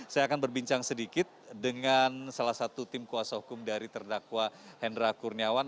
saya akan berbincang sedikit dengan salah satu tim kuasa hukum dari terdakwa hendra kurniawan